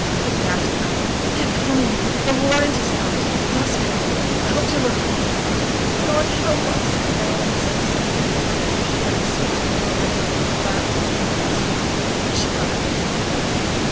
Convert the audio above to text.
He gasped out, 'They're coming! the warrant is out. You must go. I hoped you were gone.' 'God help us!' said Bell, and sate suddenly down, as if she had received a blow that made her collapse into helplessness; but she got up again directly.